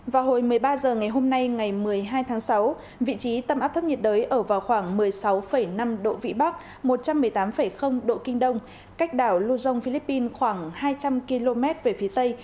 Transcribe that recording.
vào hồi một mươi ba h ngày hôm nay ngày một mươi hai tháng sáu vị trí tâm áp thấp nhiệt đới ở vào khoảng một mươi sáu năm độ vĩ bắc một trăm một mươi tám độ kinh đông cách đảo luzon philippines khoảng hai trăm linh km về phía tây